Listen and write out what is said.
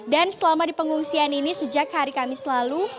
dan selama di pengungsian ini sejak hari kamis lalu